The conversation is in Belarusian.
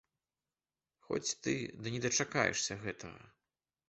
Хоць ты да не дачакаешся гэтага.